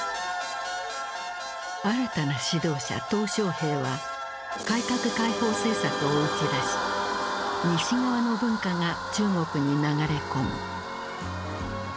新たな指導者・小平は改革開放政策を打ち出し西側の文化が中国に流れ込む。